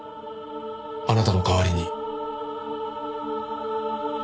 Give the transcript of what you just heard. あなたの代わりに。